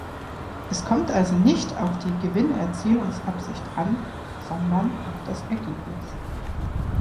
Es kommt also nicht auf die Gewinnerzielungsabsicht an, sondern auf das Ergebnis.